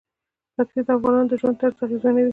پکتیا د افغانانو د ژوند طرز اغېزمنوي.